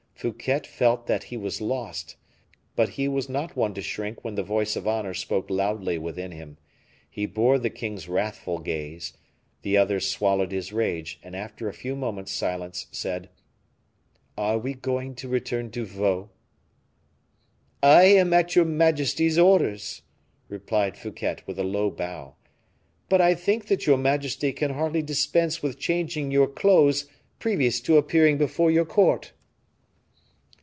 Fouquet felt that he was lost, but he as not one to shrink when the voice of honor spoke loudly within him. He bore the king's wrathful gaze; the latter swallowed his rage, and after a few moments' silence, said, "Are we going to return to Vaux?" "I am at your majesty's orders," replied Fouquet, with a low bow; "but I think that your majesty can hardly dispense with changing your clothes previous to appearing before your court."